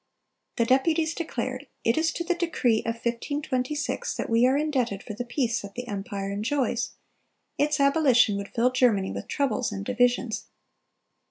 The deputies declared: "It is to the decree of 1526 that we are indebted for the peace that the empire enjoys: its abolition would fill Germany with troubles and divisions.